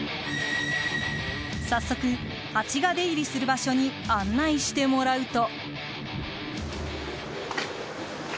早速、ハチが出入りする場所に案内してもらうと。